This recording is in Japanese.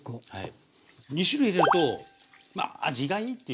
２種類入れるとまあ味がいいっていうか